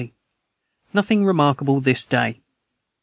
Nothing remarkable this day.